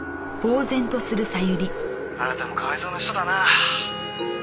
「あなたもかわいそうな人だな」